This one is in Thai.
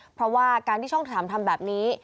เพราะว่าการที่ช่อง๓ทำแบบนี้